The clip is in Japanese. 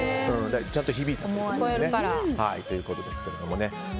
ちゃんと響いたということですね。